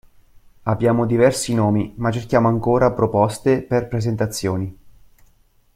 Abbiamo diversi nomi ma cerchiamo ancora proposte per presentazioni!